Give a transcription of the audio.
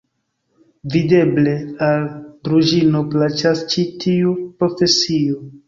Videble, al Druĵino plaĉas ĉi tiu profesio!